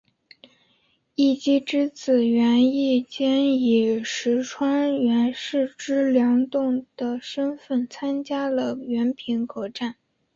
义基之子源义兼以石川源氏之栋梁的身份参加了源平合战。